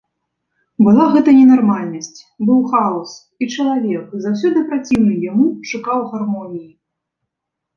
Была гэта ненармальнасць, быў хаос, і чалавек, заўсёды праціўны яму, шукаў гармоніі.